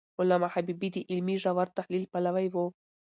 علامه حبيبي د علمي ژور تحلیل پلوی و.